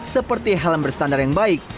seperti helm berstandar yang baik